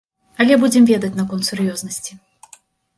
Але будзем ведаць наконт сур'ёзнасці.